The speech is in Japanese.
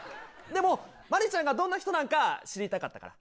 でもマリちゃんがどんな人なんか知りたかったから。